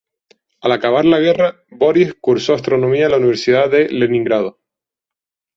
Al acabar la guerra, Borís cursó astronomía en la Universidad de Leningrado.